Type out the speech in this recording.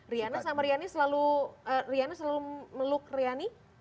riana sama riani selalu meluk riani